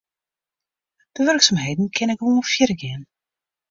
De wurksumheden kinne gewoan fierder gean.